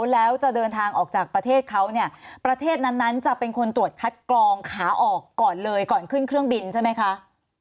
แล้วจะเดินทางออกจากประเทศเขาเนี่ยประเทศนั้นนั้นจะเป็นคนตรวจคัดกรองขาออกก่อนเลยก่อนขึ้นเครื่องบินใช่ไหมคะ